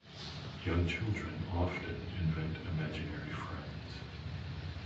Young children often invent imaginary friends.